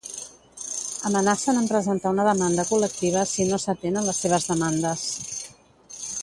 Amenacen amb presentar una demanda col·lectiva si no s'atenen les seves demandes.